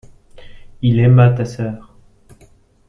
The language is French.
Il aima ta sœur.